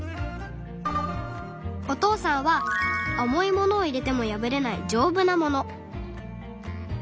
お父さんは重いものを入れても破れない「じょうぶ」なもの。